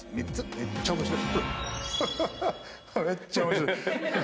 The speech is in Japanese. めっちゃ面白い。